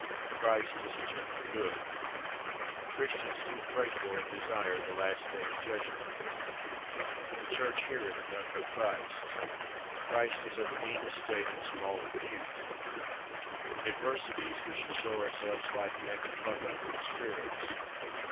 Christ is a general good. Christians do pray for and desire the last Day of Judgment. The Church heareth none but Christ. Christ is of a mean estate and small repute. In adversities we should show ourselves like men, and pluck up good spirits.